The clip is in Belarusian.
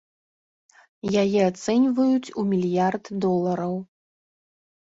Яе ацэньваюць у мільярд долараў.